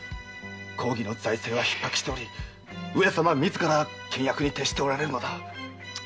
公儀の財政は逼迫しており上様自ら倹約に徹しておられる。